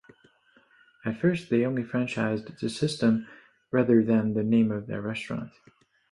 At first they only franchised the system, rather than the name of their restaurant.